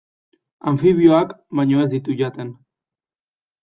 Anfibioak baino ez ditu jaten.